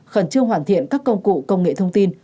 khẩn trương hoàn thiện các công cụ công nghệ thông tin